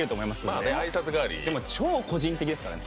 でも、超個人的ですからね。